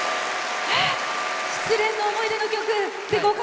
失恋の思い出の曲で合格。